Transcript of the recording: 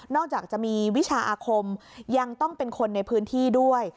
จากจะมีวิชาอาคมยังต้องเป็นคนในพื้นที่ด้วย